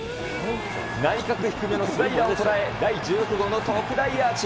内角低めのスライダーを捉え、第１６号の特大アーチ。